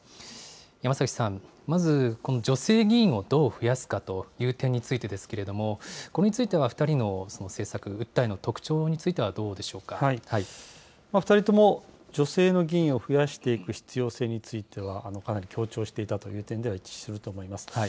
山崎さん、まずこの女性議員をどう増やすかという点についてですけれども、これについては２人の政策、訴えの特徴についてはどう２人とも、女性の議員を増やしていく必要性については、かなり強調していたという点では一致していると思います。